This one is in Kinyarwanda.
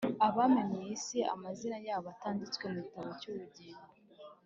Abari mu isi amazina yabo atanditswe mu gitabo cy’ubugingo,